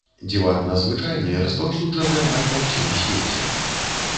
Дзіванна звычайны распаўсюджаны амаль паўсюль у свеце.